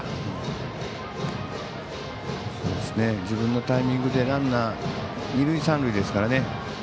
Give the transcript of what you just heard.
自分のタイミングでランナー二塁三塁ですからね。